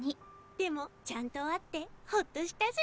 でもちゃんとあってほっとしたずら。